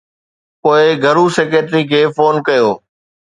پوءِ گهرو سيڪريٽري کي فون ڪيو.